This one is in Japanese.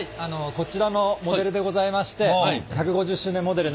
こちらのモデルでございまして１５０周年モデル？